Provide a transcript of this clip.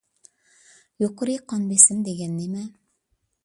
يۇقىرى قان بېسىم دېگەن نېمە؟